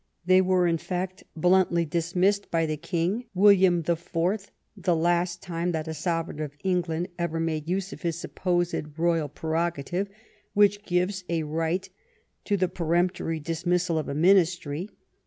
They were, in fact, bluntly dismissed by the King, William IV. — the last time that a sovereign of England ever made use of his supposed royal prerogative which gives a right to the peremptory dismissal of a Ministry.